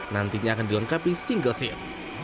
nantinya akan dilengkapi single seat